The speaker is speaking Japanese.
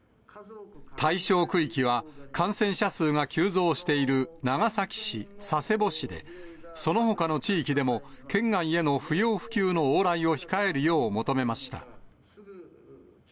対象区域は、感染者数が急増している長崎市、佐世保市で、そのほかの地域でも、県外への不要不急の往来を控えるよう求めました。